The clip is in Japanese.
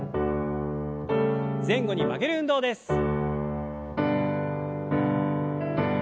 前後に曲げる運動です。